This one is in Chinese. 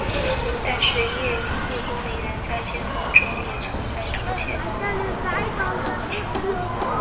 但是叶公陵园在建造中也存在拖欠农民工工资问题。